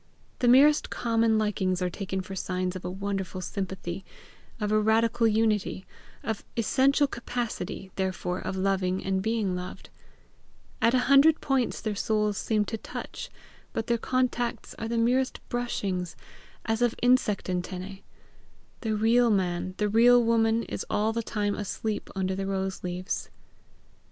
The merest common likings are taken for signs of a wonderful sympathy, of a radical unity of essential capacity, therefore, of loving and being loved; at a hundred points their souls seem to touch, but their contacts are the merest brushings as of insect antennae; the real man, the real woman, is all the time asleep under the rose leaves.